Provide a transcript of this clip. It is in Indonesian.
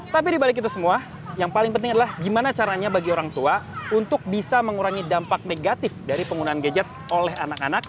tapi dibalik itu semua yang paling penting adalah gimana caranya bagi orang tua untuk bisa mengurangi dampak negatif dari penggunaan gadget oleh anak anak